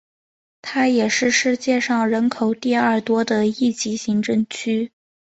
它也是世界上人口第二多的一级行政区。